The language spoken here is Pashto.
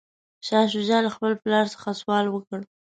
شاه شجاع له خپل پلار څخه سوال وکړ.